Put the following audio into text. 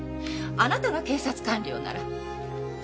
あなたが警察官僚なら。